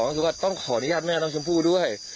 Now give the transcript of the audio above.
ก็คือว่าต้องขออนุญาตแม่น้องชมพู่ด้วย